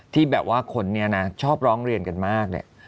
ที่แบบว่าคนเนี่ยนะชอบร้องเรียนกันมาก